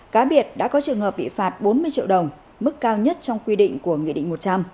cá biệt đã có trường hợp bị phạt bốn mươi triệu đồng mức cao nhất trong quy định